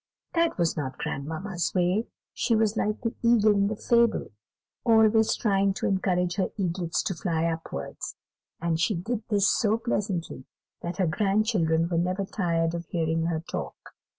That was not grandmamma's way; she was like the eagle in the fable, always trying to encourage her eaglets to fly upwards; and she did this so pleasantly that her grandchildren were never tired of hearing her talk.